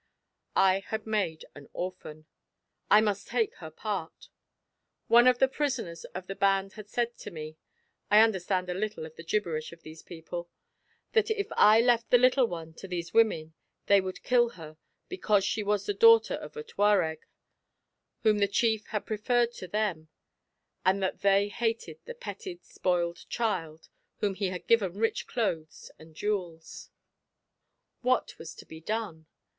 I had made an orphan! I must take her part. One of the prisoners of the band had said to me (I understand a little of the gibberish of these people) that if I left the little one to these women they would kill her because she was the daughter of a Touareg, whom the chief had preferred to them, and that they hated the petted, spoiled child, whom he had given rich clothes and jewels. What was to be done?